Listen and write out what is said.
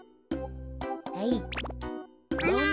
はい。